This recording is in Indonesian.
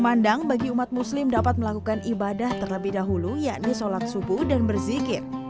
pemandang bagi umat muslim dapat melakukan ibadah terlebih dahulu yakni sholat subuh dan berzikir